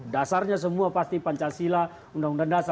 dasarnya semua pasti pancasila undang undang dasar empat puluh lima